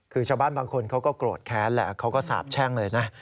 คือชาวบ้านบางคนเขาก็โกรธแค้นแหละเขาก็สาบแช่งเลยนะ